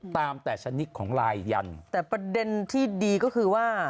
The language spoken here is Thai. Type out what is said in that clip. ตามแต่ชนิดของลายยันแต่ประเด็นที่ดีก็คือว่า